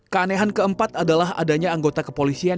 keanehan keempat adalah adanya anggota kepolisian